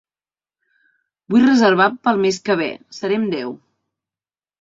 Vull reservar pel mes que ve. Serem deu.